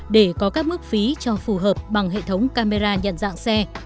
để có các mức phí cho phù hợp bằng hệ thống camera nhận dạng xe